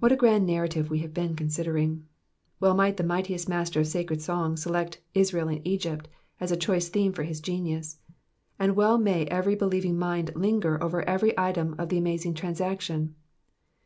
What a grand narrative have we been considering. Well might the mightiest master of sacred song select Israel in Egypt" as a choice theme for his genius ; and well may every believing mind linger over every item of the amazing trans action.